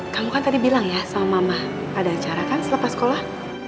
kamu kan tadi bilang ya sama mama ada acara kan selepas sekolah